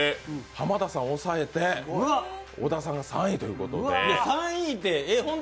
浜田さん抑えて小田さんが３位ということで。